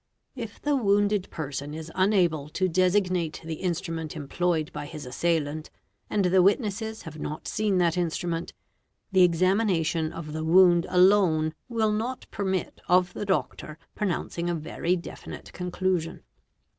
If the wounded person is unable to desig jaa eC 43 edie Als ill line i@ nate the instrument employed by his assailant, and the witnesses have As. tH lot seen that instrument, the examination of the wound alone will not ermit of the doctor pronouncing a very. definite conclusion.